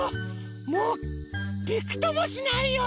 もうびくともしないよ！